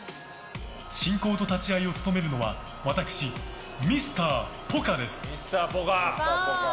進行と立ち合いを務めるのは私、ミスター・ポカです。